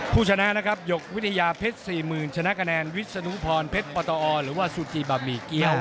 ผู้ชนะนะครับหยกวิทยาเพชร๔๐๐๐ชนะคะแนนวิศนุพรเพชรปตอหรือว่าซูจีบะหมี่เกี้ยว